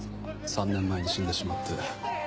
３年前に死んでしまって。